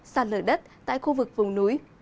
sạt lở đất tại khu vực vùng núi